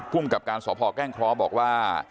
ภูมิกับการสอบภอกแก้งเคราะห์บอกว่า